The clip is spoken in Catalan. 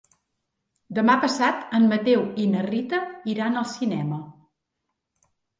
Demà passat en Mateu i na Rita iran al cinema.